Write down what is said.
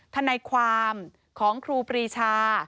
ทนายความของครูปรีชา